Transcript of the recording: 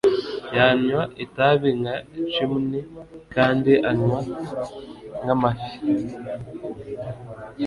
Yanywa itabi nka chimney kandi anywa nk'amafi